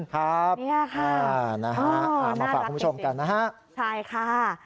ครับนี่ค่ะมาฝากคุณผู้ชมกันนะฮะน่ารักที่สิใช่ค่ะ